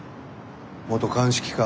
元鑑識課。